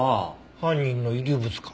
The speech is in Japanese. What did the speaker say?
犯人の遺留物か。